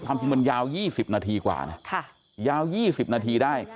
จริงมันยาว๒๐นาทีกว่านะยาว๒๐นาทีได้